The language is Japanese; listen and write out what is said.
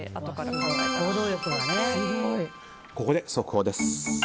ここで、速報です。